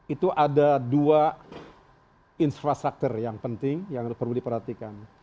itu ada dua infrastruktur yang penting yang perlu diperhatikan